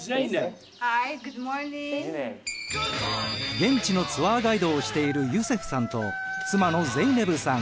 現地のツアーガイドをしているユセフさんと妻のゼイネブさん。